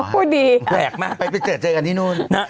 ไปเจอกันที่นู่น